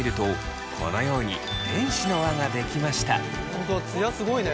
本当だツヤすごいね。